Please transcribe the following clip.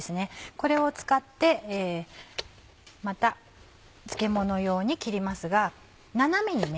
これを使ってまた漬物用に切りますが斜めにね